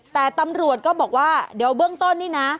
แต่ตำรวจก็บอกว่าเดี๋ยวเบื้องต้นนี่นะ